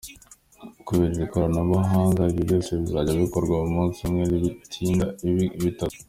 Kubera iri koranabuhanga, ibyo byose bizajya bikorwa mu munsi umwe n’ibitinda ibe itatu”.